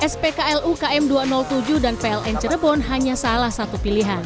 spklu km dua ratus tujuh dan pln cirebon hanya salah satu